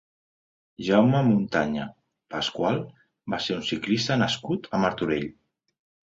Jaime Montaña Pascual va ser un ciclista nascut a Martorell.